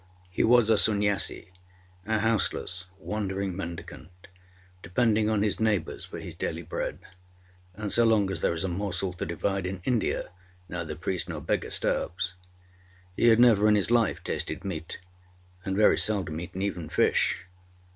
He was a Sunnyasi a houseless, wandering mendicant, depending on his neighbours for his daily bread; and so long as there is a morsel to divide in India, neither priest nor beggar starves. He had never in his life tasted meat, and very seldom eaten even fish.